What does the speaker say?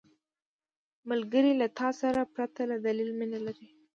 ملګری له تا سره پرته له دلیل مینه لري